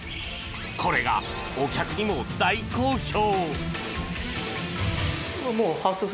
これが、お客にも大好評。